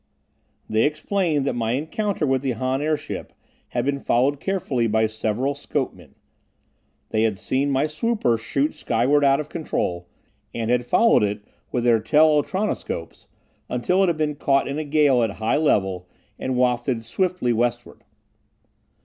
They explained that my encounter with the Han airship had been followed carefully by several scopemen. They had seen my swooper shoot skyward out of control, and had followed it with their telultronoscopes until it had been caught in a gale at a high level, and wafted swiftly westward.